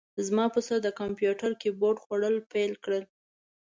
زما پسه د کمپیوتر کیبورډ خوړل پیل کړل.